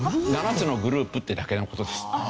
７つのグループっていうだけの事です。